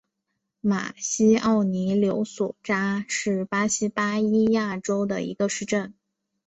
马西奥尼柳索扎是巴西巴伊亚州的一个市镇。